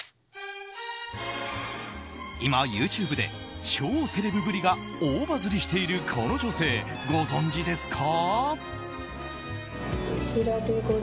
今、ＹｏｕＴｕｂｅで超セレブぶりが大バズりしているこの女性、ご存じですか。